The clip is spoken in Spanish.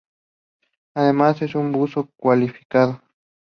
Además, es un buzo cualificado.